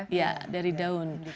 iya dari daun